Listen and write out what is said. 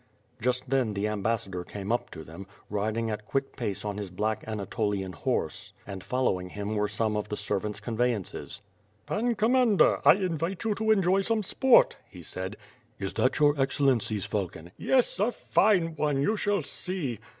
Just then the ambassador came up to them, riding at quick pace on his black Anatolian horse, and following him were some of the servants' conveyances. "Pan Commander, I invite you to enjoy some sport," he said. "Is that your Excellency's falcon?" "Yes; a fine one, you shall see.